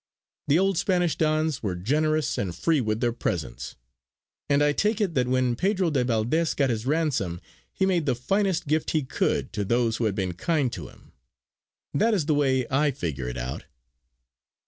The old Spanish Dons were generous and free with their presents, and I take it that when Pedro de Valdes got his ransom he made the finest gift he could to those who had been kind to him. That is the way I figure it out."